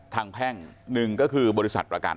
แพ่งหนึ่งก็คือบริษัทประกัน